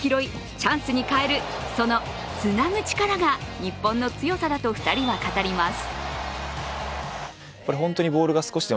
チャンスに変えるそのつなぐ力が日本の強さだと２人は語ります。